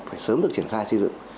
phải sớm được triển khai xây dựng